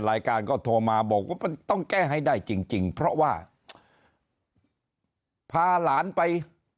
รายการก็โทรมาบอกว่ามันต้องแก้ให้ได้จริงเพราะว่าพาหลานไป